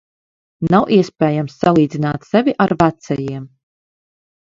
Nav iespējams salīdzināt sevi ar vecajiem.